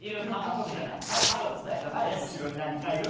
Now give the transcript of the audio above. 後ろに何かいる。